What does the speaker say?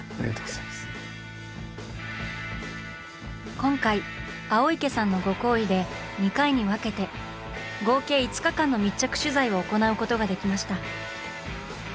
今回青池さんのご厚意で２回に分けて合計５日間の密着取材を行うことができました。